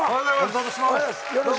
ご無沙汰してます。